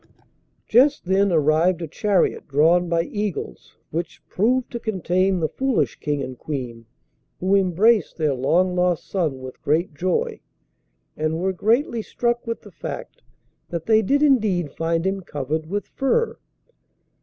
Just then arrived a chariot drawn by eagles, which proved to contain the foolish King and Queen, who embraced their long lost son with great joy, and were greatly struck with the fact that they did indeed find him covered with fur!